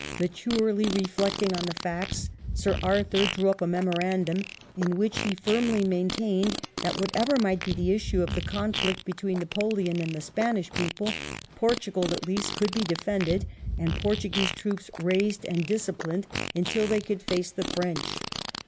Maturely reflecting on the facts, Sir Arthur drew up a memorandum, in which he firmly maintained that whatever might be the issue of the conflict between Napoleon and the Spanish people, Portugal at least could be defended, and Portuguese troops raised and disciplined until they could face the French.